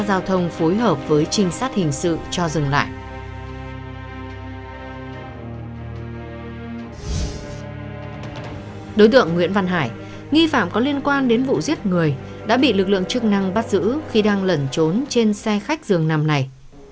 đối tượng nguyễn văn hải nghi phạm có liên quan đến vụ giết người đã bị lực lượng chức năng bắt giữ khi đang lẩn trốn trên xe khách dường nằm này